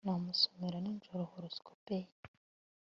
Namusomera nijoro Horoscope ye